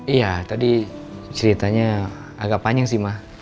iya tadi ceritanya agak panjang sih mah